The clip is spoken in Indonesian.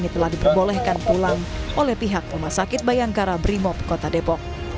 telah diperbolehkan pulang oleh pihak rumah sakit bayangkara brimob kota depok